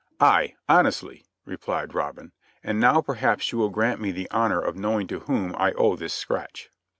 "Ay, honestly," said Robin, "and now, perhaps, you will grant me the privilege of knowing to whom I owe this scratch?"